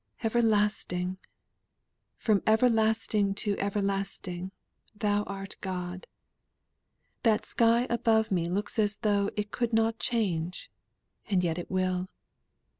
Everlasting! 'From everlasting to everlasting, Thou art God.' That beautiful sky above me looks as though it could not change, and yet it will.